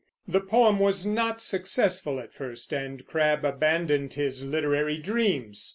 The poem was not successful at first, and Crabbe abandoned his literary dreams.